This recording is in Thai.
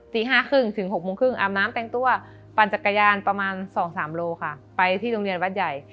ตี๕๓๐ถึง๖โมงครึ่งอาบน้ำแต่งตัวปั่นจักรยานประมาณ๒๓โลค่ะไปที่โรงเรียนวัดใหญ่